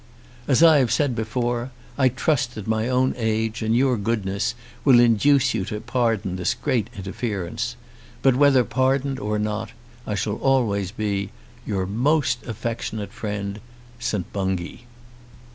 As I have said before, I trust that my own age and your goodness will induce you to pardon this great interference. But whether pardoned or not I shall always be Your most affectionate friend, ST. BUNGAY.